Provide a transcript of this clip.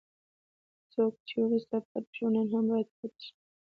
څوک چې وروسته پاتې شول نن هم باید پاتې شي.